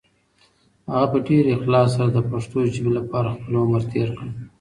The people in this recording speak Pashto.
هغه په ډېر اخلاص سره د پښتو ژبې لپاره خپل عمر تېر کړ.